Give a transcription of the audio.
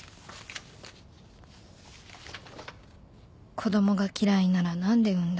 「『子供が嫌いなら何で産んだ？』」